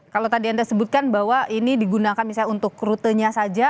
kalau tadi anda sebutkan bahwa ini digunakan misalnya untuk rutenya saja